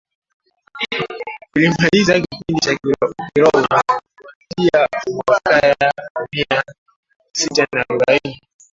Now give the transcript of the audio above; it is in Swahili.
ulimaliza kipindi cha Kiroma Kuanzia mwakaya Mia sita na arubaini